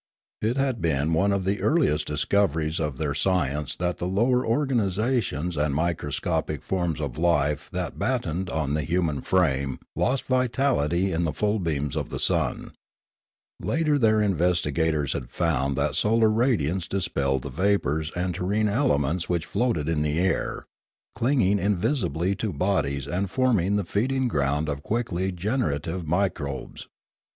It had been one of the earliest discoveries of their science that the lower organisations and microscopic forms of life that bat A Catastrophe 151 tened on the human frame lost vitality in the full beams of the sun. Later their investigators had found that solar radiance dispelled the vapours and terrene elements which floated in the air, clinging invisibly to bodies and forming the feeding ground of quickly generative microbes.